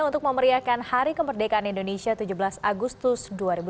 untuk memeriahkan hari kemerdekaan indonesia tujuh belas agustus dua ribu delapan belas